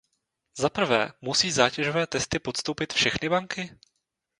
Zaprvé, musí zátěžové testy podstoupit všechny banky?